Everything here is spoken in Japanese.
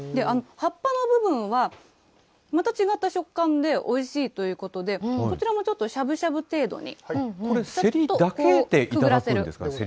葉っぱの部分は、また違った食感でおいしいということで、こちらもちょっとしゃぶしゃぶ程度に。